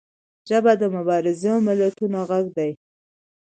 ژبه د مبارزو ملتونو غږ دی